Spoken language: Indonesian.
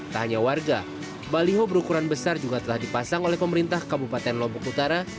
tak hanya warga baliho berukuran besar juga telah dipasang oleh pemerintah kabupaten lombok utara